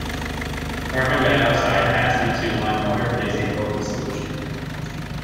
Carbon dioxide passed into limewater gives a milky solution.